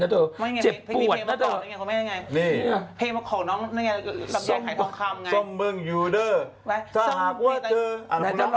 เจ็บปวดน่ะเถอะไม่ไงไม่นี่นี่